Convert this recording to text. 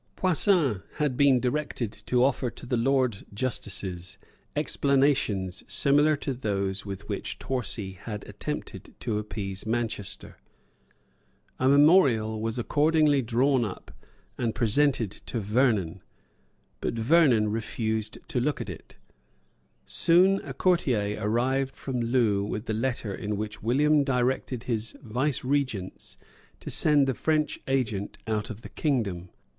Poussin had been directed to offer to the Lords Justices explanations similar to those with which Torcy had attempted to appease Manchester. A memorial was accordingly drawn up and presented to Vernon; but Vernon refused to look at it. Soon a courier arrived from Loo with the letter in which William directed his vicegerents to send the French agent out of the kingdom.